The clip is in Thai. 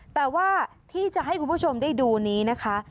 แต่ว่าที่จะให้คุณผู้ชมได้ดูนี้นะคะ